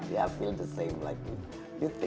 ya aku merasa sama seperti itu